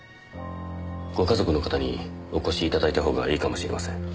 ご家族の方にお越し頂いた方がいいかもしれません。